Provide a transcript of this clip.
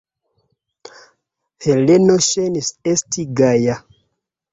Heleno ŝajnis esti gaja.